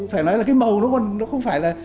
phải nói là cái màu nó không phải là